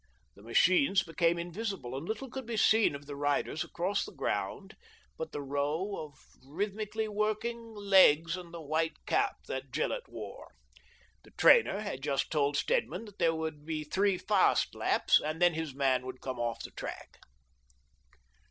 The machines became invisible, and little could be seen of the riders across the ground but the row of rhythmically working legs and the white cap that Gillett wore. The trainer had just told Stedman that there would be three fast laps and then his man would come off the track.